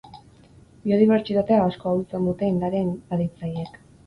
Biodibertsitatea asko ahultzen dute landare inbaditzaileek.